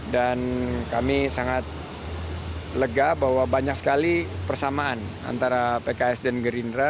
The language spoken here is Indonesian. dan kami sangat lega bahwa banyak sekali persamaan antara pks dan gerindra